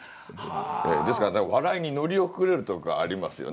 ですから笑いに乗り遅れるとかありますよね。